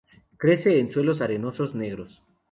Crece en suelos arenosos negros.